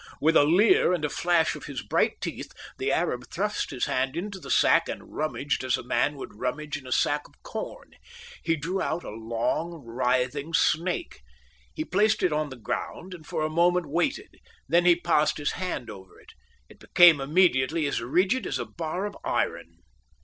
With a leer and a flash of his bright teeth, the Arab thrust his hand into the sack and rummaged as a man would rummage in a sack of corn. He drew out a long, writhing snake. He placed it on the ground and for a moment waited, then he passed his hand over it: it became immediately as rigid as a bar of iron.